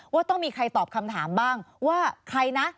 ว่าต้องมีใครตอบคำถามบ้างว่าใครนะ